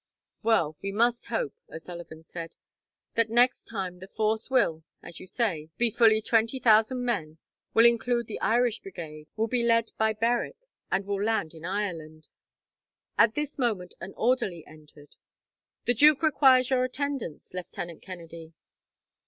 "Well, we must hope," O'Sullivan said, "that next time the force will, as you say, be fully twenty thousand men, will include the Irish Brigade, will be led by Berwick, and will land in Ireland." At this moment an orderly entered. "The duke requires your attendance, Lieutenant Kennedy."